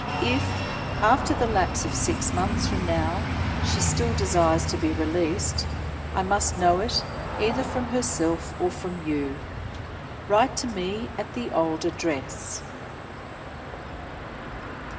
If after the lapse of six months from now she still desires to be released, I must know it, either from herself or from you. Write to me at the old address."